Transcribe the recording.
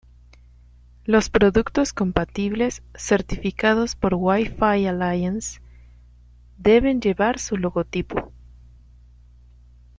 Los productos compatibles, certificados por Wi-Fi Alliance, deben llevar su logotipo.